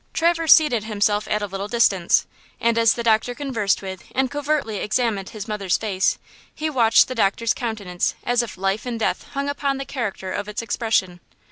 Traverse seated himself at a little distance, and as the doctor conversed with and covertly examined his mother's face he watched the doctor's countenance as if life and death hung upon the character of its expression.